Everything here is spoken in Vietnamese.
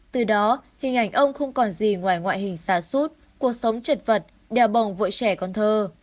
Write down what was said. từ đó hình ảnh ông không còn gì ngoài ngoại hình xa suốt cuộc sống chật vật đèo bồng vội trẻ con thơ